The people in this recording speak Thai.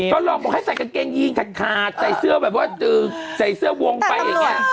ก็ลองบอกให้ใส่กางเกงยีนขาดใส่เสื้อแบบว่าใส่เสื้อวงไปอย่างนี้